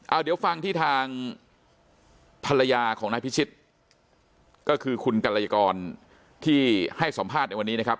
เอาเดี๋ยวฟังที่ทางภรรยาของนายพิชิตก็คือคุณกัลยากรที่ให้สัมภาษณ์ในวันนี้นะครับ